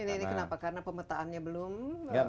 ini kenapa karena pemetaannya belum jelas atau